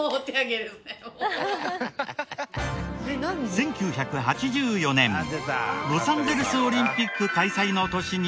１９８４年ロサンゼルスオリンピック開催の年に発売